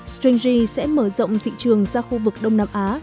stringy sẽ mở rộng thị trường ra khu vực đông nam á